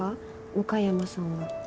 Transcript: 向山さんは。